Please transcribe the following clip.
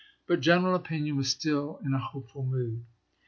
But general opinion was still in a hopeful mood.